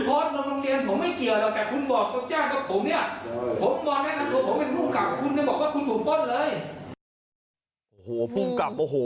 โอ้โฮพลุงกับโอ้โฮ